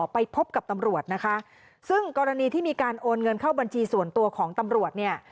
ไปพบกับตำรวจนะคะซึ่งกรณีที่มีการโอนเงินเข้าบัญชีส่วนตัวของตำรวจเนี่ย